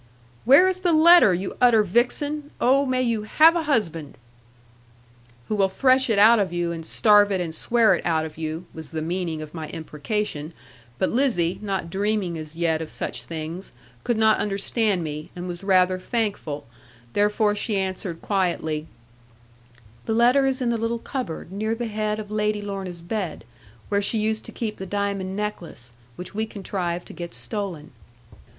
'Where is the letter, you utter vixen! Oh, may you have a husband!' 'Who will thresh it out of you, and starve it, and swear it out of you!' was the meaning of my imprecation: but Lizzie, not dreaming as yet of such things, could not understand me, and was rather thankful; therefore she answered quietly, 'The letter is in the little cupboard, near the head of Lady Lorna's bed, where she used to keep the diamond necklace, which we contrived to get stolen.'